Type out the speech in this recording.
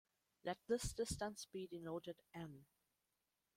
Let this distance be denoted "n".